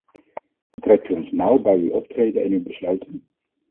Betrekt u ons nauw bij uw optreden en uw besluiten.